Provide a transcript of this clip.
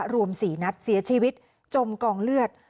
รวม๔นัดเสียชีวิตจมกองเลือด